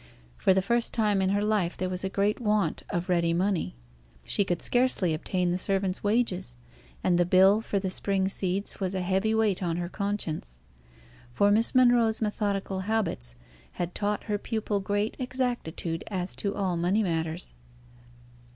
For the first time in her life there was a great want of ready money; she could scarcely obtain the servants' wages; and the bill for the spring seeds was a heavy weight on her conscience. For Miss Monro's methodical habits had taught her pupil great exactitude as to all money matters.